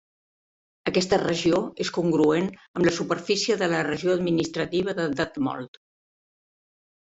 Aquesta regió és congruent amb la superfície de la regió administrativa de Detmold.